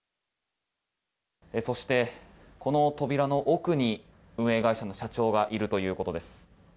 そして、この扉の奥に運営会社の社長がいるということです。